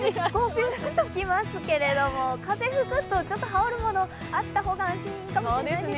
ビューっと来ますけれども、風吹くと、ちょっと羽織るもの、あった方が安心かもしれないですね。